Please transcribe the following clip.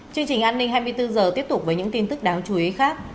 chương trình an ninh hai mươi bốn h tiếp tục với những tin tức đáng chú ý khác